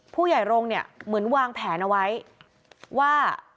ผู้ใหญ่โรงเหมือนวางแผนเอาไว้ว่า